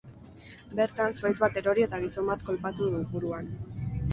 Bertan, zuhaitz bat erori eta gizon bat kolpatu du, buruan.